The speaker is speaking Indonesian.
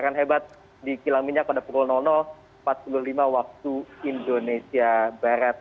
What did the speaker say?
dengan kebakaran hebat di kilang minyak pada pukul empat puluh lima wib